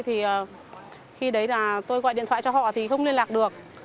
thì khi đấy là tôi gọi điện thoại cho họ thì không liên lạc được